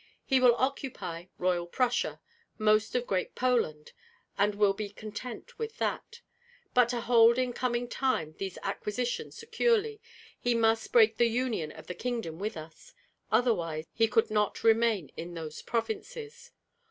He will occupy Royal Prussia, most of Great Poland, and will be content with that. But to hold in coming time these acquisitions securely, he must break the union of the kingdom with us; otherwise he could not remain in those provinces.